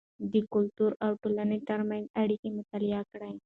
د کلتور او ټولنې ترمنځ اړیکه مطالعه کړئ.